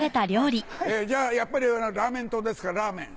じゃやっぱりラーメン党ですからラーメン。